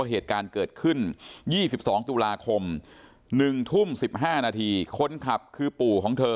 เหตุการณ์เกิดขึ้น๒๒ตุลาคม๑ทุ่ม๑๕นาทีคนขับคือปู่ของเธอ